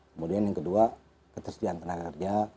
kemudian yang kedua ketersediaan tenaga kerja